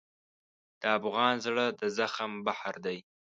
د افغان زړه د زغم بحر دی.